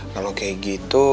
kalau kayak gitu